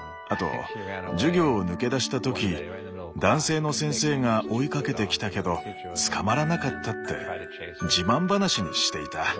あと授業を抜け出した時男性の先生が追いかけてきたけど捕まらなかったって自慢話にしていた。